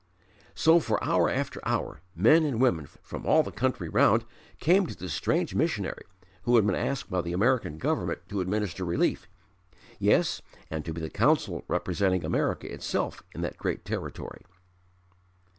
So for hour after hour, men and women from all the country round came to this strange missionary who had been asked by the American Government to administer relief, yes, and to be the Consul representing America itself in that great territory.